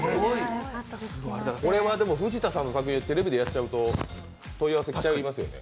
これは藤田さんの作品テレビでやっちゃうと問い合わせ来ちゃいますよね？